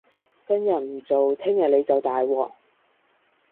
今日唔做，聽日你就大鑊